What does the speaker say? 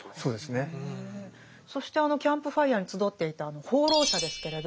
そしてあのキャンプファイヤーに集っていた放浪者ですけれど。